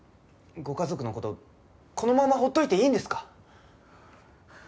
ご家族の事このまま放っといていいんですか？